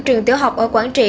trường tiểu học ở quảng trị